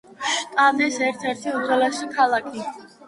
შტატის ერთ–ერთი უძველესი ქალაქი.